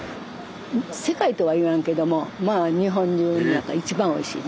世界とは言わんけどもまあ日本中の中一番おいしいね。